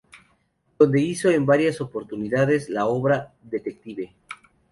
Donde hizo en varias oportunidades la obra "Detective".